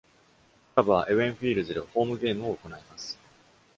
クラブは、エウェンフィールズでホームゲームを行います。